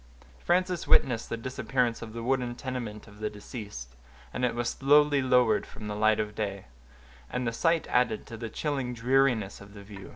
Frances witnessed the disappearance of the wooden tenement of the deceased, as it was slowly lowered from the light of day; and the sight added to the chilling dreariness of the view.